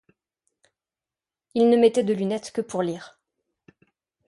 Il ne mettait de lunettes que pour lire.